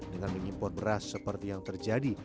dengan mengimpor beras seperti yang terjadi